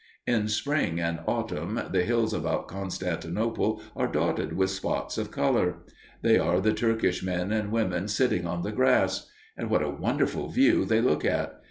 In spring and autumn the hills about Constantinople are dotted with spots of color. They are the Turkish men and women sitting on the grass. And what a wonderful view they look at!